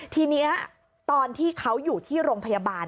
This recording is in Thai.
ทีนี้ตอนที่เขาอยู่ที่โรงพยาบาล